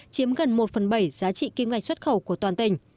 chiếm gần một phần bảy giá trị kim ngạch xuất khẩu của toàn tỉnh